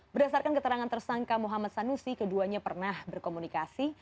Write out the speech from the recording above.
berdasarkan keterangan tersangka muhammad sanusi keduanya pernah berkomunikasi